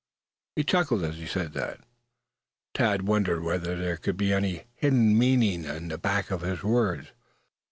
He chuckled as he said that. Thad wondered whether there could be any hidden meaning back of the words.